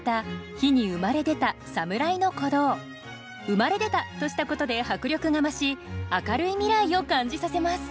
「生まれ出た」としたことで迫力が増し明るい未来を感じさせます。